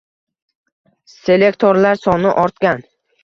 Selektorlar soni ortgan.